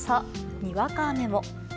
にわか雨も。